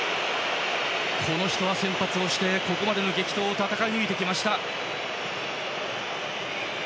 この人は先発してここまでの激闘を戦い抜いてきた。